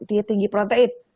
dia tinggi protein